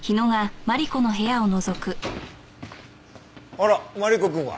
あらっマリコくんは？